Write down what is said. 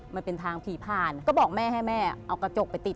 มันเป็นทางผีผ่านก็บอกแม่ให้แม่เอากระจกไปติด